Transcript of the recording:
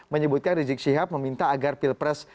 menyebutkan rejeksihab meminta agar pilpres